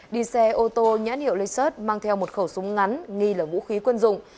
đi xe ô tô nhãn hiệu leicester mang theo một khẩu súng ngắn nghi lẩm vũ khí quân dụng